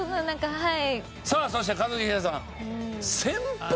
はい。